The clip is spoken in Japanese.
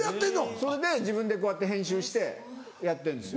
それで自分でこうやって編集してやってんですよ。